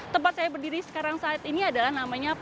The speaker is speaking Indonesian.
tempat saya berdiri sekarang saat ini adalah namanya